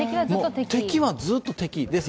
敵はずっと敵です。